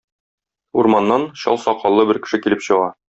Урманнан чал сакаллы бер кеше килеп чыга.